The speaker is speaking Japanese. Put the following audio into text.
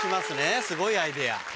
すごいアイデア。